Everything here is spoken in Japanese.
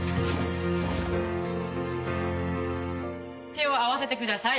手を合わせてください。